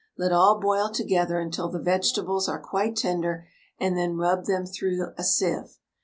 Let all boil together until the vegetables are quite tender, and then rub them through a sieve.